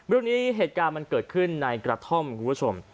เรื่องนี้เหตุการณ์มันเกิดขึ้นในกระท่อมคุณผู้ชม